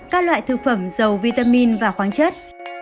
các loại thực phẩm dầu vitamin và khoáng chất